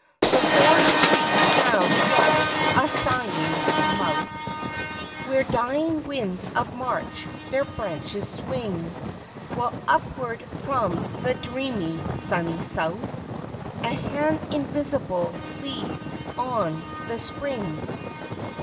The forest trees have yet a sighing mouth, Where dying winds of March their branches swing, While upward from the dreamy, sunny South, A hand invisible leads on the Spring.